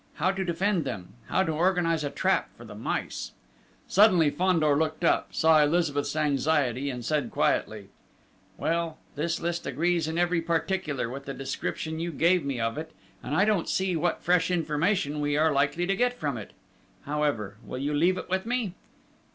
How to defend them? How organise a trap for the mice?" Suddenly, Fandor looked up, saw Elizabeth's anxiety, and said quietly: "Well, this list agrees in every particular with the description you gave me of it, and I don't quite see what fresh information we are likely to get from it. However, will you leave it with me?"